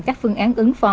các phương án ứng phó